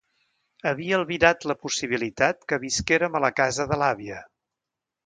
Havia albirat la possibilitat que visquérem a la casa de l’àvia.